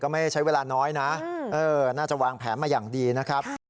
ไม่ได้ใช้เวลาน้อยนะน่าจะวางแผนมาอย่างดีนะครับ